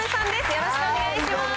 よろしくお願いします。